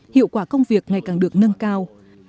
hiệu quả công việc ngày càng được nâng cao